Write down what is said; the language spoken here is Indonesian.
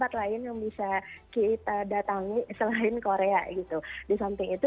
bahasa indonesia bike advertisement juga sudah terus menjadi akademis indonesia dan jika ingin mem delight sehingga eea